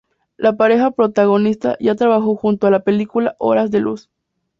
La pareja protagonista ya trabajó junta en la película "Horas de luz".